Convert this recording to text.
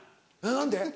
何で？